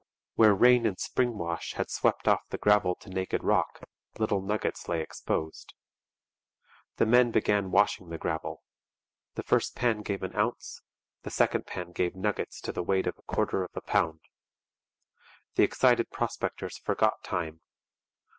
Where rain and spring wash had swept off the gravel to naked rock, little nuggets lay exposed. The men began washing the gravel. The first pan gave an ounce; the second pan gave nuggets to the weight of a quarter of a pound. The excited prospectors forgot time.